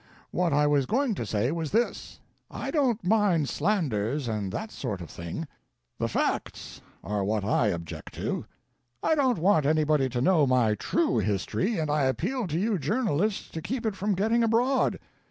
What I was going to say was this: I don't mind slanders and that sort of thing. The facts are what I object to. I don't want anybody to know my true history, and I appeal to you journalists to keep it from getting abroad.